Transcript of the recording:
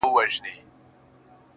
که به په هر قطار يا لين کي راغلل